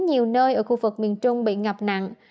nhiều nơi ở khu vực miền trung bị ngập nặng